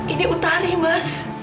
ini utari mas